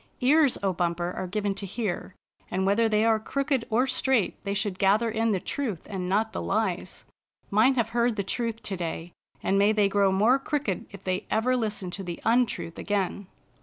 "Ears, O Bumper, are given to hear, and whether they are crooked or straight they should gather in the truth and not the lies. Mine have heard the truth to day, and may they grow more crooked if they ever listen to the un truth again."